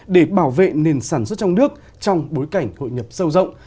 để bảo vệ nền sản xuất trong nước trong bối cảnh hội nhập sâu rộng